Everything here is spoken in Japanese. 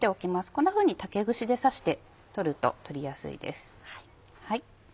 こんなふうに竹串で刺して取ると取りやすいです。